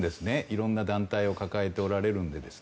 いろんな団体を抱えておられるので。